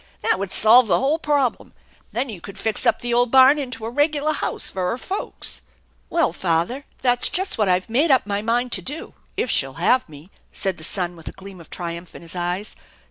That would solve the whole problem. Then you could fix up the old barn into a regular house for her folks." "Well, father, that's just what I've made up my mind THE ENCHANTED BARN 207 to do if shell have me/' said the son with a gleam of triumph in his eyes.